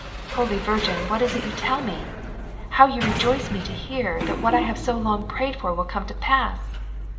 "Holy Virgin! what is it you tell me? How you rejoice me to hear, that what I have so long prayed for will come to pass!"